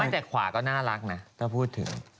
จากขวาก็น่ารักนะถ้าพูดถึง